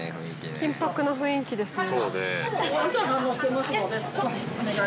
緊迫の雰囲気ですね。